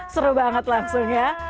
seru banget langsung ya